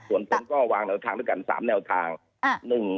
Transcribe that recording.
ส่วนผมก็วางแนวทางด้วยกัน๓แนวทาง